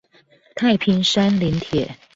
太平山林鐵